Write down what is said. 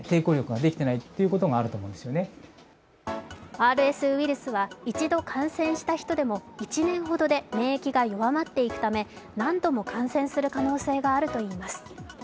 ＲＳウイルスは一度感染した人でも１年ほどで免疫が弱まっていくため何度も感染する可能性があるといいます。